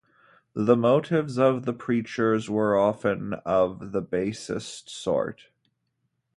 The motives of the preachers were often of the basest sort.